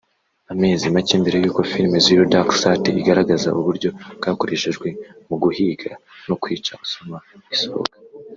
Amezi make mbere y’uko filimi “Zero Dark Thirty” igaragaza uburyo bwakoreshejwe mu guhiga no kwica Osama isohoka